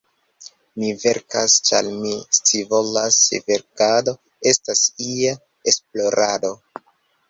Mi verkas, ĉar mi scivolas; verkado estas ia esplorado.